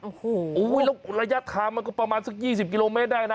โอ้โหแล้วระยะทางมันก็ประมาณสัก๒๐กิโลเมตรได้นะ